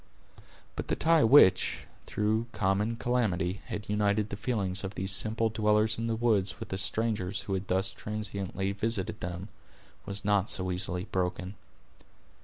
But the tie which, through their common calamity, had united the feelings of these simple dwellers in the woods with the strangers who had thus transiently visited them, was not so easily broken.